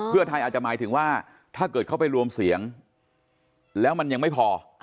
เพื่อไทยอาจจะหมายถึงว่าถ้าเกิดเขาไปรวมเสียงแล้วมันยังไม่พอ